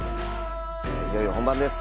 いよいよ本番です。